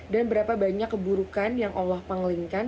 dan berapa banyak keburukan yang allah pengelingkan